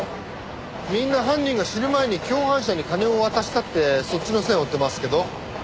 みんな犯人が死ぬ前に共犯者に金を渡したってそっちの線追ってますけど。